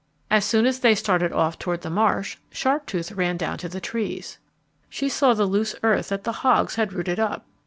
As soon as they started off toward the marsh, Sharptooth ran down to the trees. She saw the loose earth that the hogs had rooted up.